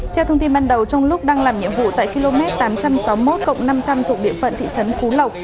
theo thông tin ban đầu trong lúc đang làm nhiệm vụ tại km tám trăm sáu mươi một năm trăm linh thuộc địa phận thị trấn phú lộc